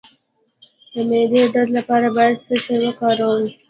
د معدې درد لپاره باید څه شی وکاروم؟